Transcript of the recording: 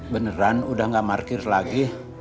beneran udah gak parkir lagi